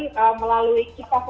indonesia melalui lokal lokalnya